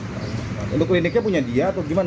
untuk kliniknya punya dia atau gimana